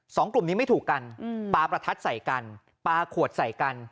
สองกลุ่มนี้ไม่ถูกกันอืมปลาประทัดใส่กันปลาขวดใส่กัน